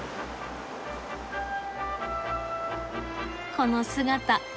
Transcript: この姿。